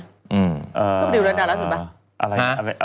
พอดีวรัดดาราสุรปะ